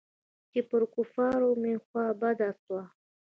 چې پر کفارو مې خوا بده سوه.